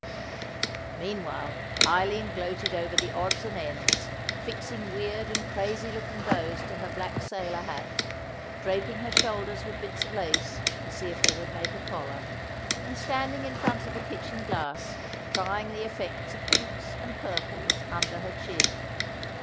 Meanwhile, Eileen gloated over the odds and ends, fixing weird and crazy looking bows to her black sailor hat, draping her shoulders with bits of lace to see if they would make a collar, and standing in front of the kitchen glass trying the effect of pinks and purples under her chin.